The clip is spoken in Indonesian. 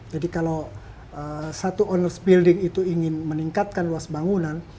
jadi kalau satu owner's building itu ingin meningkatkan luas bangunan